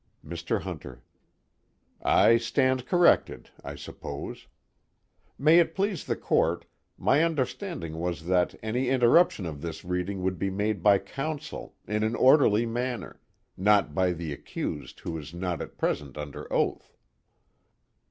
MR. HUNTER: I stand corrected, I suppose. May it please the Court, my understanding was that any interruption of this reading would be made by counsel, in an orderly manner, not by the accused who is not at present under oath.